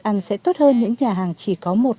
ăn sẽ tốt hơn những nhà hàng chỉ có một